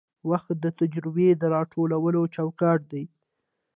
وخت د تجربې د راټولولو چوکاټ دی.